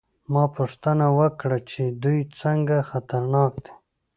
ما پوښتنه وکړه چې دوی څنګه خطرناک دي